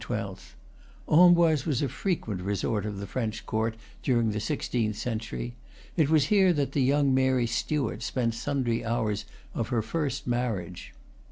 Amboise was a fre quent resort of the French Court during the sixteenth century; it was here that the young Mary Stuart spent sundry hours of her first marriage.